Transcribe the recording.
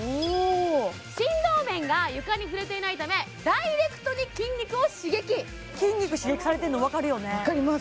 振動面が床に触れていないためダイレクトに筋肉を刺激筋肉刺激されてんのわかるよねわかります